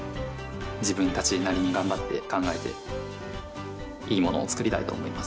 自分たちなりに頑張って考えていいものを作りたいと思います。